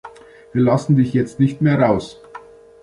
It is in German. Wir lassen dich jetzt nicht mehr raus.